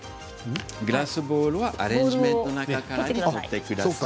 グラスボールはアレンジメントの中から取ってください。